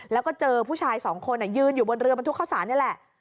แล้วก็เจอผู้ชายสองคนยืนอยู่บนเรือบรรทุกข้าวสารนี่แหละ